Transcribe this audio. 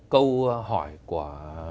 câu hỏi của